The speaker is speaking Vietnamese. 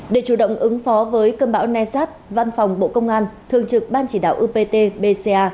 để chủ động ứng phó với cơn bão nasat văn phòng bộ công an thường trực ban chỉ đạo upt bca